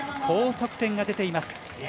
高得点が出ています。